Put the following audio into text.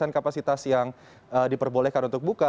dengan kapasitas yang diperbolehkan untuk buka